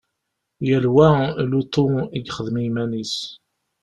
Yal wa lutu i yexdem i yiman-is.